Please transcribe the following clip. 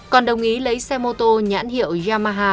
còn đồng ý lấy xe mô tô nhãn hiệu yamaha